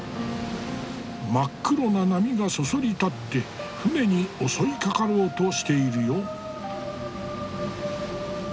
真っ黒な波がそそり立って船に襲いかかろうとしているよ。